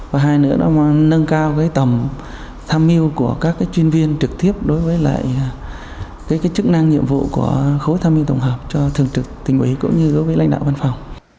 và hai nữa là nâng cao tầm tham mưu của các chuyên viên trực tiếp đối với lại chức năng nhiệm vụ của khối tham mưu tổng hợp cho thường trực tỉnh ủy cũng như đối với lãnh đạo văn phòng